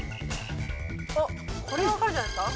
これは分かるんじゃないですか？